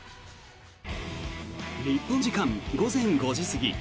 日本時間午前５時過ぎ